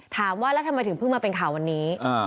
ถามว่าแล้วทำไมถึงเพิ่งมาเป็นข่าววันนี้